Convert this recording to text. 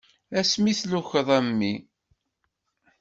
Ass mi d-tlukeḍ a mmi.